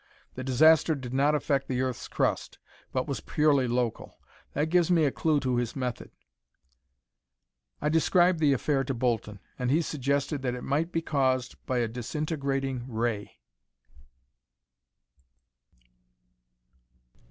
The disaster did not affect the earth's crust, but was purely local. That gives me a clue to his method." "I described the affair to Bolton and he suggested that it might be caused by a disintegrating ray."